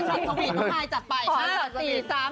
ไม่ได้ไม่ได้